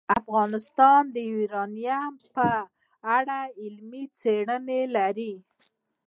افغانستان د یورانیم په اړه علمي څېړنې لري.